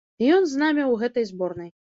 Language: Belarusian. І ён з намі ў гэтай зборнай.